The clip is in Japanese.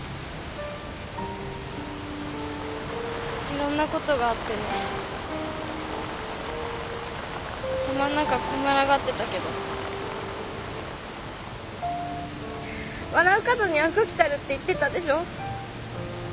いろんなことがあってね頭ん中こんがらがってたけど笑う門には福来るって言ってたでしょ。